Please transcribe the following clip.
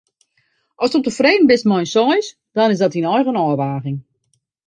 Asto tefreden bist mei in seis, dan is dat dyn eigen ôfwaging.